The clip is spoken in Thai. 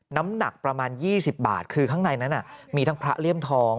น้ำหนักประมาณ๒๐บาทคือข้างในนั้นมีทั้งพระเลี่ยมทอง